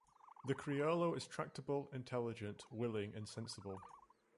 The criollo is tractable, intelligent, willing and sensible.